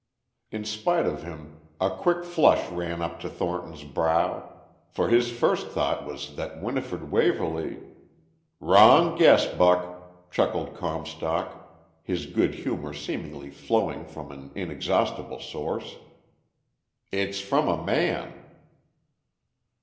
In spite of him a quick flush ran up to Thornton's brow. For his first thought was that Winifred Waverly.... "Wrong guess, Buck," chuckled Comstock, his good humour seemingly flowing from an inexhaustible source. "It's from a man."